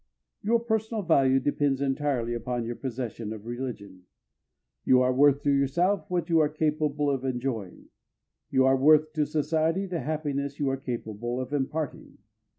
Your personal value depends entirely upon your possession of religion. You are worth to yourself what you are capable of enjoying, you are worth to society the happiness you are capable of imparting.